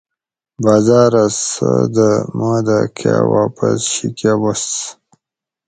باٞزاٞرہ س دہ مودہ کاٞ واپس شی کٞہ وس